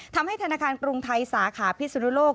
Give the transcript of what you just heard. ทำให้ธนาคารกรุงไทยสาขาพิสุนุโลก